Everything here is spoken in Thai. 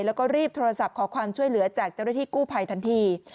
แล้วก็รีบโทรศัพท์ขอความช่วยเหลือจากเจ้าหน้าที่กู้ภัยทันที